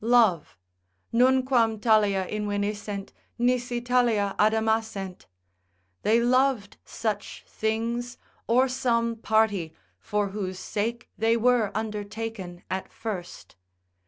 Love, Nunquam talia invenissent, nisi talia adamassent, they loved such things, or some party, for whose sake they were undertaken at first.